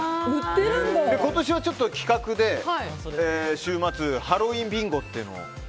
今年は企画で週末ハロウィーンビンゴというのを。